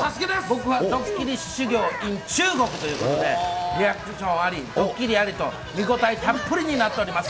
僕はドッキリ修行ＩＮ中国ということで、リアクションあり、ドッキリありと見応えたっぷりになっております。